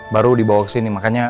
baru dibawa kesini makanya